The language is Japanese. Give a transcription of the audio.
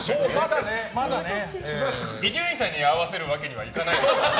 伊集院さんに合わせるわけにはいかないんで。